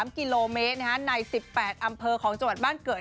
๓กิโลเมตรใน๑๘อำเภอของจังหวัดบ้านเกิด